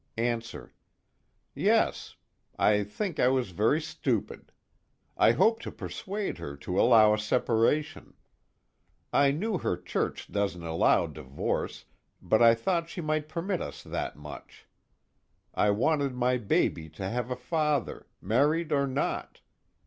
ANSWER: Yes. I think I was very stupid. I hoped to persuade her to allow a separation. I knew her church doesn't allow divorce, but I thought she might permit us that much. I wanted my baby to have a father, married or not.